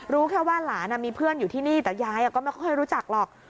รู้แค่ว่าหลานมีเพื่อนอยู่ที่นี่แต่ยายก็ไม่ค่อยรู้จักหรอก